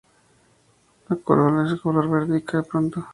La corola es de color verde y cae pronto.